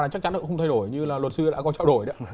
chắc chắn nó cũng không thay đổi như là luật sư đã có trao đổi